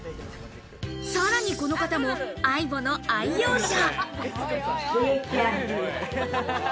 さらにこの方もＡＩＢＯの愛用者。